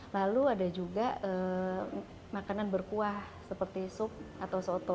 lalu ada juga makanan berkuah seperti sup atau soto